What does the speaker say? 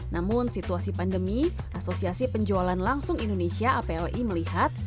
namun situasi pandemi asosiasi penjualan langsung indonesia apli melihat